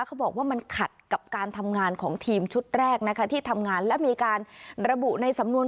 เขาบอกว่ามันขัดกับการทำงานของทีมชุดแรกนะคะที่ทำงานและมีการระบุในสำนวน